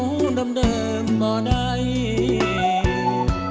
แต่ไม่ต้องได้เรื่องแผนถึงทำผมแดนความเหงาเดิมบ่ได้